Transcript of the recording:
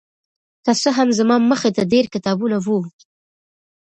که څه هم زما مخې ته ډېر کتابونه وو